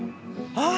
ああ